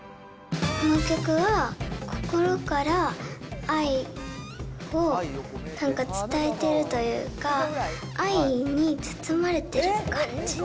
この曲は心から愛をなんか伝えてるというか、愛に包まれてる感じ。